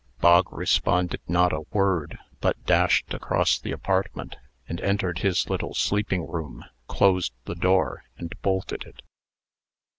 Bog responded not a word, but dashed across the apartment, and, entering his little sleeping room, closed the door, and bolted it.